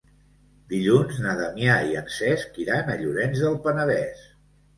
Dilluns na Damià i en Cesc iran a Llorenç del Penedès.